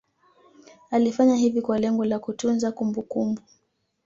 Alifanya hivi kwa lengo la kutunza kumbukumbu